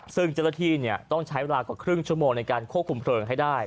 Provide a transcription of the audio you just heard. ซึ่งเจ้าหน้าที่ต้องใช้เวลากว่าครึ่งชั่วโมงในการควบคุมเพลิงให้ได้